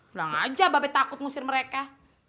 belang aja babet takut ngusir mereka